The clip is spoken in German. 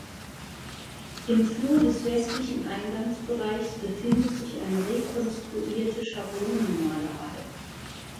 Im Flur des westlichen Eingangsbereichs befindet sich eine rekonstruierte Schablonenmalerei.